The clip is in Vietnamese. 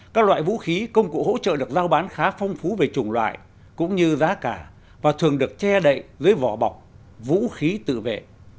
các loại vũ khí công cụ hỗ trợ được giao bán khá phong phú về chủng loại cũng như giá cả và thường được che đậy dưới vỏ bọc vũ khí tự vệ